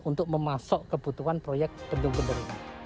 untuk memasok kebutuhan proyek bendungan bener